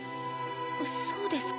そうですか。